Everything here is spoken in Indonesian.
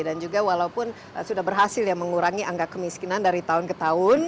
dan juga walaupun sudah berhasil ya mengurangi angka kemiskinan dari tahun ke tahun